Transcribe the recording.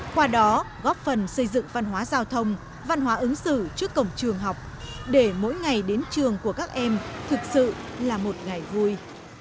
qua đó góp phần xây dựng văn hóa giao thông văn hóa ứng xử trước cổng trường học để mỗi ngày đến trường của các em thực sự là một ngày vui